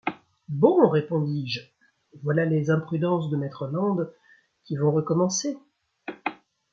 Bon ! répondis-je, voilà les imprudences de maître Land qui vont recommencer !